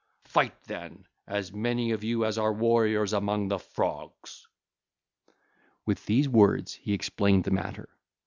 Fight, then, as many of you as are warriors among the Frogs.' (ll. 144 146) With these words he explained the matter.